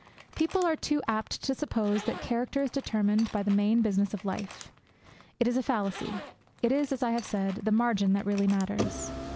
People are too apt to suppose that character is determined by the main business of life. It is a fallacy. It is, as I have said, the margin that really matters.